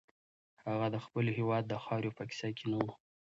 هغه د خپل هېواد د خاورې په کیسه کې نه و.